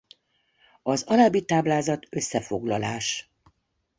Az alábbi táblázat összefoglalás.